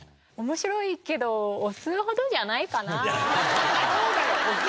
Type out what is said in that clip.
面白いけど押すほどじゃないかな。